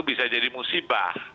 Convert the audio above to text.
bisa jadi musibah